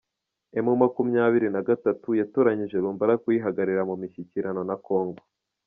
Emu makumyabiri nagatatu yatoranyije Lumbala kuyihagarira mu mishyikirano na kongo